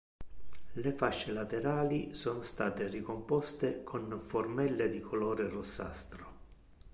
Le fasce laterali sono state ricomposte con formelle di colore rossastro.